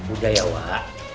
udah ya wak